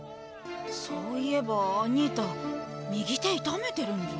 そういえばアニータ右手痛めてるんじゃ。